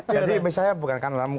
jadi misalnya bukan kanan